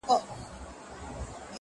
د يو سري مار خوراك يوه مړۍ وه،